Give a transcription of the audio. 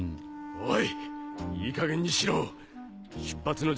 ・おい！